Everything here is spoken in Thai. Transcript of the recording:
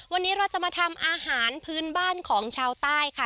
วันนี้เราจะมาทำอาหารพื้นบ้านของชาวใต้ค่ะ